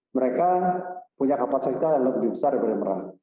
mereka punya kapasitas yang lebih besar daripada merak